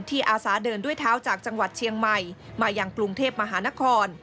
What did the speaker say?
อาสาเดินด้วยเท้าจากจังหวัดเชียงใหม่มายังกรุงเทพมหานคร